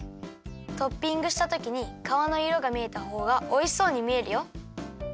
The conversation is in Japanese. トッピングしたときにかわのいろがみえたほうがおいしそうにみえるよ。